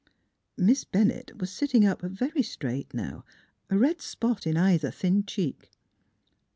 Miss Bennett was sitting up very straight now, a red spot in either thin cheek.